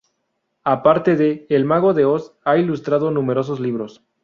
Aparte de El Mago de Oz, ha ilustrado numerosos libros.